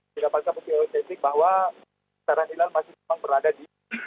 tidak pasti mungkin otentik bahwa keserahan hilal masih memang berada di